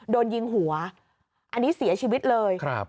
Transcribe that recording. โดนยิงหัวอันนี้เสียชีวิตเลย